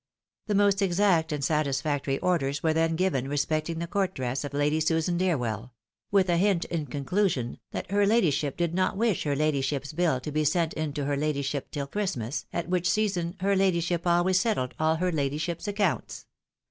The most exact and satisfactory orders were then given respecting the court dress of Lady Susan DeerweU; with a hint, in conclusion, that her ladyship did not wish her ladyship's bill to be be sent in to her ladyship till Christmas, at which season her ladyship always settled all her ladyship's accounts.